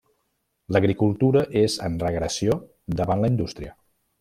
L'agricultura és en regressió davant la indústria.